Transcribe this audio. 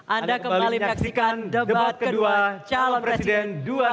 anda kembali menyaksikan debat kedua calon presiden dua ribu sembilan belas